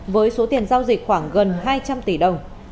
với số tiền giao dịch khoảng gần hai trăm linh tỷ đồng